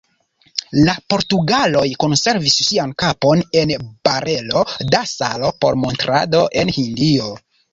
La portugaloj konservis sian kapon en barelo da salo por montrado en Hindio.